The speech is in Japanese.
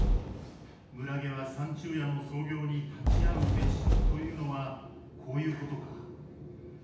村下は三昼夜の操業に立ち会うべしというのはこういうことか。